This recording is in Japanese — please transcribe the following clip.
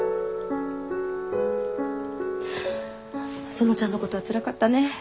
園ちゃんのことはつらかったね。